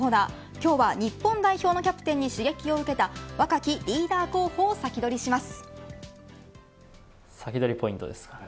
今日は日本代表のキャプテンに刺激を受けた若きリーダー候補をサキドリします。